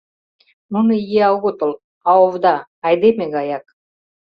Нуно ия огытыл, а овда, айдеме гаяк...